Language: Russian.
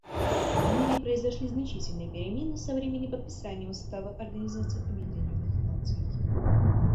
В мире произошли значительные перемены со времени подписания Устава Организации Объединенных Наций.